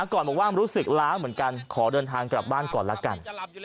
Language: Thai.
ก่อนบอกว่ารู้สึกล้างเหมือนกันขอเดินทางกลับบ้านก่อนละกัน